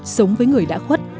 sống với người đã khuất